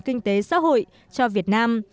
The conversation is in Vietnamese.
kinh tế xã hội cho việt nam